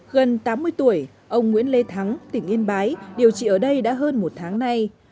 gần tám mươi tuổi ông nguyễn lê thắng tỉnh yên bái điều trị ở đây đã hơn một tháng nay